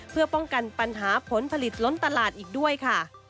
เพื่อป้องกันปัญหาผลผลิตล้นตลาดอีกด้วยค่ะ